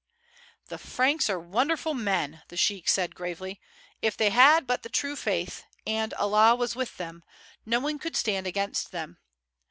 "The Franks are wonderful men," the sheik said gravely; "if they had but the true faith, and Allah was with them, no one could stand against them.